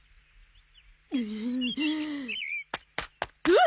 うん。